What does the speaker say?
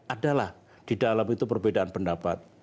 adalah di dalam itu perbedaan pendapat